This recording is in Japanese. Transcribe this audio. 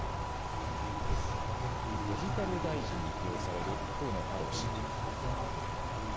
デジタル大臣に起用される河野太郎氏。